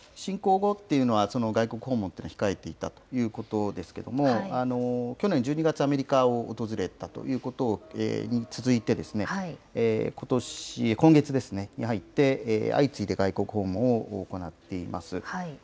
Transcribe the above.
侵攻後っていうのは、外国訪問というのは控えていたということですけれども、去年１２月、アメリカを訪れたということに続いて、今月に入って、相次いで外国訪問を行っています。